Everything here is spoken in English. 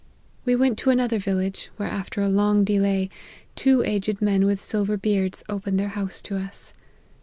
We went to another village, where after a long delay, two aged men with silver beards opened their house to us.